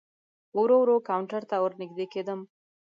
ورو ورو کاونټر ته ور نږدې کېدم.